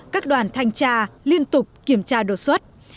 các đoàn thanh tra liên tục kiểm tra đột xuất